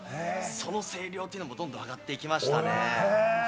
その声量がどんどん上がっていきましたね。